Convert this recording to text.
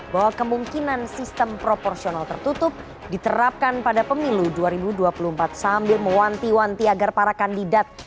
bahwa kemungkinan sistem proporsional tertutup diterapkan pada pemilu dua ribu dua puluh empat sambil mewanti wanti agar para kandidat